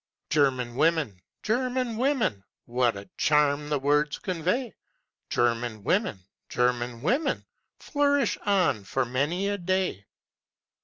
German women! German women! What a charm the words convey! German women! German women! Flourish on for many a day!